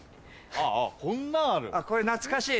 あっこれ懐かしい！